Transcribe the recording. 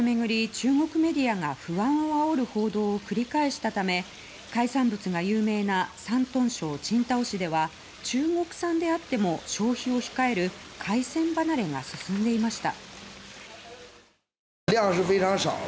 中国メディアが不安を煽る報道を繰り返したため海産物が有名な山東省青島市では中国産であっても消費を控える海鮮離れが進んでいました。